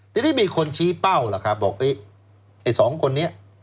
ทีนี้มีคนชี้เป้าล่ะครับบอกไอ้สองคนนี้